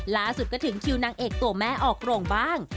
ล่าสุดก็ถึงคิวนางเอกตัวแม่ออกโรงบ้าง